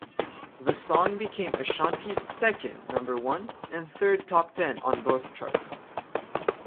The song became Ashanti's second number one and third top ten on both charts.